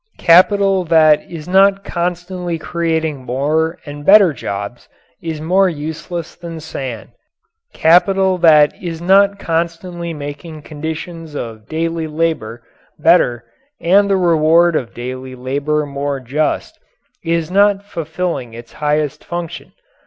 Capital that is not constantly creating more and better jobs is more useless than sand. Capital that is not constantly making conditions of daily labour better and the reward of daily labour more just, is not fulfilling its highest function.